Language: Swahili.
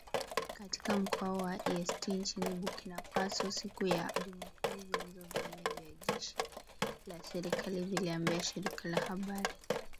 Katika mkoa wa Est nchini Burkina Faso siku ya Jumapili vyanzo vine vya jeshi la serikali vililiambia shirika la habari.